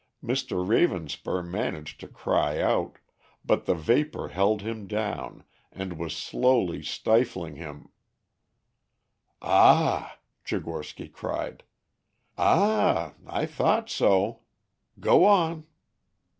Mr. Ravenspur managed to cry out, but the vapor held him down, and was slowly stifling him '" "Ah," Tchigorsky cried. "Ah, I thought so. Go on!"